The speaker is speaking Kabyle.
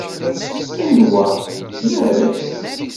Anwa? Nek?